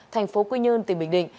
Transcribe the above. thành phố quy nhơn tỉnh bình định